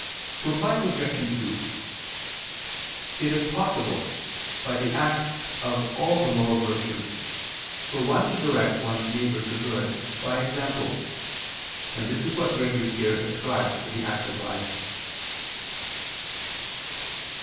Reply Obj. 2: It is possible, by the acts of all the moral virtues, for one to direct one's neighbor to good by example: and this is what Gregory here ascribes to the active life.